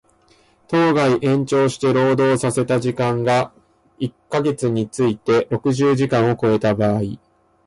当該延長して労働させた時間が一箇月について六十時間を超えた場合